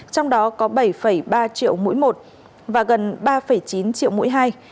trong đó có bảy ba triệu mũi một và gần ba chín triệu mũi hai